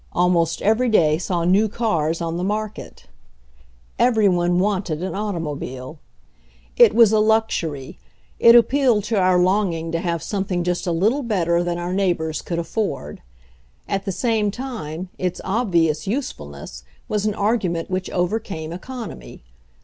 Al most every day saw new cars on the market. Every one wanted an automobile. It was a 129 .# 130 HENRY FORD'S OWN STORY luxury, it appealed to our longing to have some thing just a little better than our neighbors could afford. At the same time its obvious usefulness was an argument which overcame economy.